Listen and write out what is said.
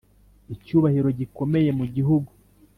icyubahiro gikomeye mu gihugu,